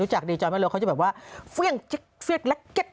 รู้จักดีจอร์นแมคแอนโลเขาจะแบบว่าเฟรี่ยงเฟรี่ยงและเก็ด